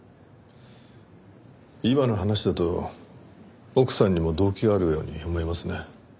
今の話だと奥さんにも動機があるように思えますね。